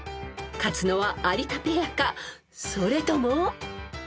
［勝つのは有田ペアかそれとも？］